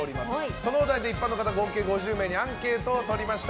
そのお題で一般の方合計５０名にアンケートを取りました。